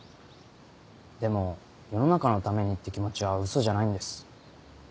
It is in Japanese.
でも世の中のためにって気持ちはウソじゃないんです。